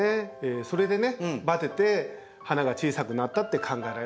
それでバテて花が小さくなったって考えられますね。